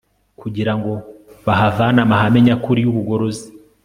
kugira ngo bahavane amahame nyakuri yubugorozi